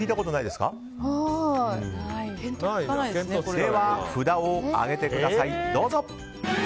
では、札を上げてください。